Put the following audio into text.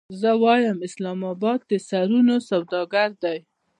زه وایم اسلام اباد د سرونو سوداګر دی.